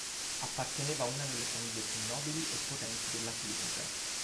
Apparteneva a una delle famiglie più nobili e potenti della Turingia.